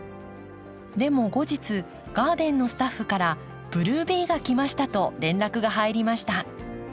でも後日ガーデンのスタッフから「ブルービーが来ました」と連絡が入りました。